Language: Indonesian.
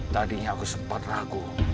tadinya aku sempat ragu